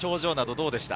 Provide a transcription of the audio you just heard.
どうでした？